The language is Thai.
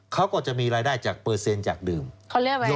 เขาก็จะมีรายได้จากเปอร์เซ็นต์จากดื่มเขาเลือกไว้